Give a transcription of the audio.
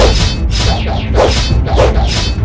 mereka semua berpikir seperti itu